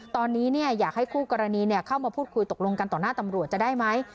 ตอนนี้อยากให้คู่กรณีเข้ามาพูดคุยตกลงกันต่อหน้าตำรวจจะได้ไหม